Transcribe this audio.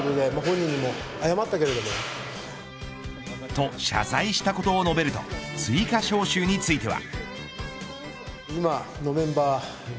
と、謝罪したことを述べると追加招集については。